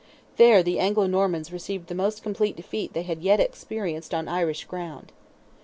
There the Anglo Normans received the most complete defeat they had yet experienced on Irish ground.